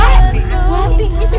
wati istrinya darul